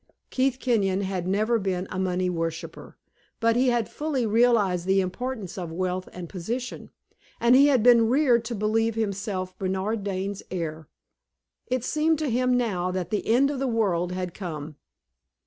Keith Kenyon had never been a money worshiper; but he had fully realized the importance of wealth and position, and he had been reared to believe himself Bernard Dane's heir. It seemed to him now that the end of the world had come.